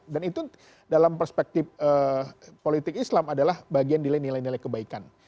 dan itu dalam perspektif politik islam adalah bagian nilai nilai kebaikan